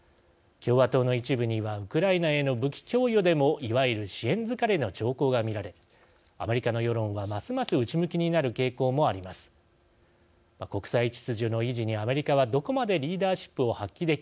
共和党の一部にはウクライナへの武器供与でもいわゆる支援疲れの兆候が見られアメリカの世論はますます内向きになる傾向もあります。